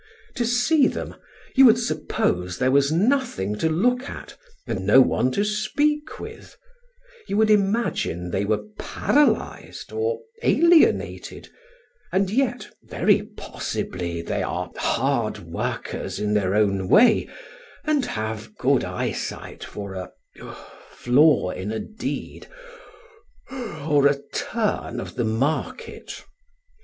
To see them, you would suppose there was nothing to look at and no one to speak with; you would imagine they were paralysed or alienated; and yet very possibly they are hard workers in their own way, and have good eyesight for a flaw in a deed or a turn of the market.